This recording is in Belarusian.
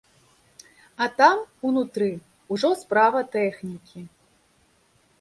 А там, унутры, ужо справа тэхнікі.